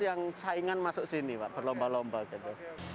yang saingan masuk sini pak berlomba lomba gitu